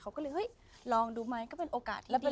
แล้วเป็นลูกคนเล็กด้วยไง